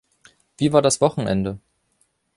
Wie war das Wochenende?